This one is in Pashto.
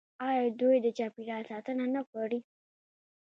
آیا دوی د چاپیریال ساتنه نه غواړي؟